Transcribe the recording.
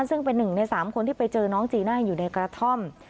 ซึ่งเป็นหนึ่งใน๓คนที่ไปเจอน้องจีน่าอยู่ในกระท่อม